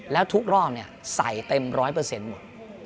แล้วทุกรอบใส่เต็มร้อยเปอร์เซ็นต์หมด